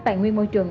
tài nguyên môi trường